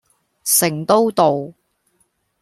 成都道